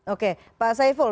oke pak saiful